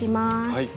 はい。